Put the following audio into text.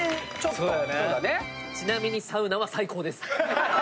ちなみにサウナは最高です。